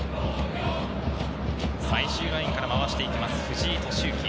最終ラインから回して行きます、藤井利之。